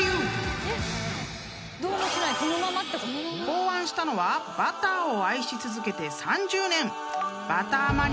［考案したのはバターを愛し続けて３０年］